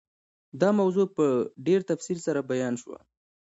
دا موضوع په ډېر تفصیل سره بیان شوه.